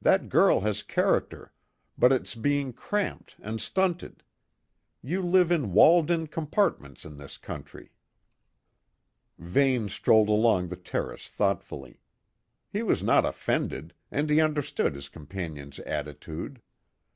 That girl has character, but it's being cramped and stunted. You live in walled in compartments in this country." Vane strolled along the terrace thoughtfully. He was not offended, and he understood his companion's attitude.